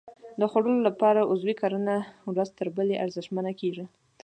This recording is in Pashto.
د خوړو لپاره عضوي کرنه ورځ تر بلې ارزښتمنه کېږي.